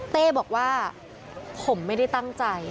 เต้บอกว่าผมไม่ได้ตั้งใจ